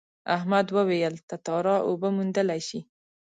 احمد وویل تتارا اوبه موندلی شي.